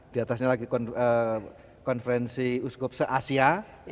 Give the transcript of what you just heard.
diatasnya lagi konferensi uskup se asia